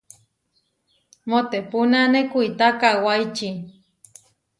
Moʼtepunane kuitá kawáiči.